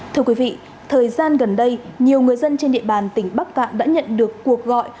thưa quý vị thời gian gần đây nhiều người dân trên địa bàn tỉnh bắc cạn đã nhận được cuộc gọi